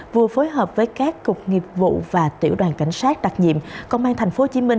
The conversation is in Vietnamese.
vừa phối hợp với các cục nghiệp vụ và tiểu đoàn cảnh sát đặc nhiệm công an tp hcm